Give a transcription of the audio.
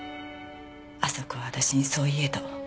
麻子は私にそう言えと。